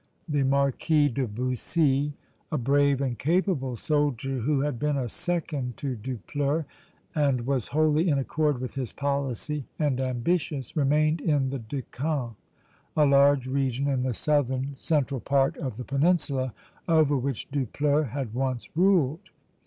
The Marquis de Bussy, a brave and capable soldier who had been a second to Dupleix, and was wholly in accord with his policy and ambitions, remained in the Deccan, a large region in the southern central part of the peninsula, over which Dupleix had once ruled.